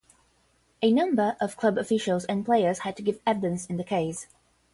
A number of club officials and players had to give evidence in the case.